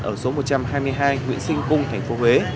ở số một trăm hai mươi hai nguyễn sinh cung thành phố huế